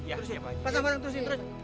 pasang barang terusin